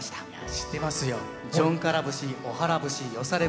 知ってますよ。